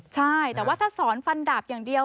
ใช่แต่ว่าถ้าสอนฟันดับอย่างเดียว